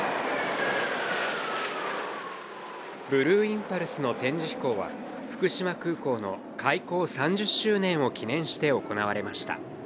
ブルーインパルスの展示飛行は福島空港の開港３０周年を記念して行われました。